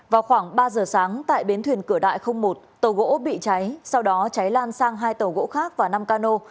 vào khoảng ba giờ sáng tại bến thuyền cửa đại một tàu gỗ bị cháy sau đó cháy lan sang hai tàu gỗ khác và năm cano